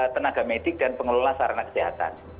tenaga medik dan pengelola sarana kesehatan